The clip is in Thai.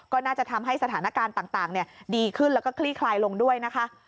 ก็น่าจะทำให้สถานการณ์ต่างดีขึ้นแล้วก็คลี่คลายลงด้วยนะคะ